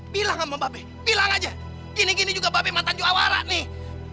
bilang sama mbak be bilang aja ini gini juga mbak be mantan juara nih